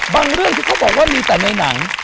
เรื่องที่เขาบอกว่ามีแต่ในหนัง